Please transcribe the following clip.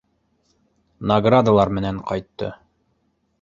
Наградалар менән ҡайтты.